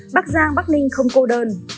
bắc giang bắc ninh không cô đơn